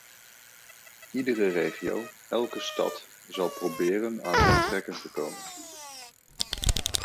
Iedere regio, elke stad zal proberen aan zijn trekken te komen.